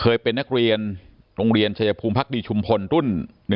เคยเป็นนักเรียนโรงเรียนชายภูมิพักดีชุมพลรุ่น๑